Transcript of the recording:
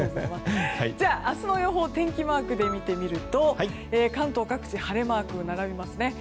明日の予報天気マークで見てみると関東各地で晴れマークが並びますね。